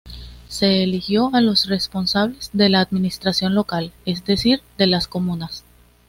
Se eligió a los responsables de la administración local, es decir, de las comunas.